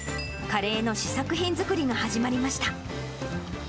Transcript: カレーの試作品作りが始まりました。